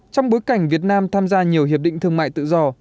trong bối cảnh việt nam tham gia nhiều hiệp định thương mại tự do